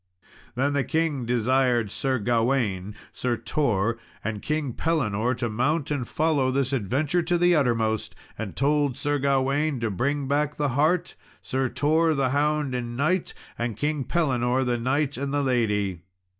Then the king desired Sir Gawain, Sir Tor, and King Pellinore to mount and follow this adventure to the uttermost; and told Sir Gawain to bring back the hart, Sir Tor the hound and knight, and King Pellinore the knight and the lady.